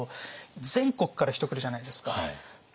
全国から人来るじゃないですか。